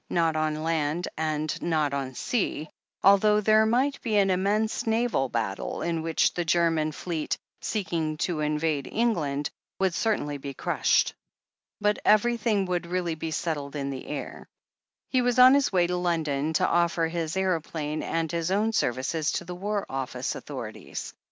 Not on land and not on sea, although there might be an immense naval battle, in which the German fleet, seeking to invade England, would certainly be crushed. But everything would really be settled in the air. He was on his way to London to offer his aeroplane and his own services to the War Office Authorities.